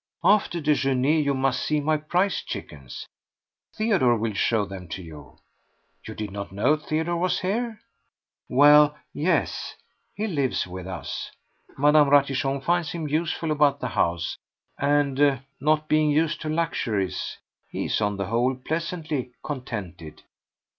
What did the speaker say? ... After déjeuner you must see my prize chickens. Theodore will show them to you. You did not know Theodore was here? Well, yes! He lives with us. Madame Ratichon finds him useful about the house, and, not being used to luxuries, he is on the whole pleasantly contented.